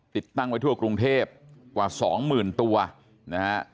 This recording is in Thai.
ติดตั้งไว้ทั่วกรุงเทพฯกว่า๒๐๐๐๐ตัวนะครับ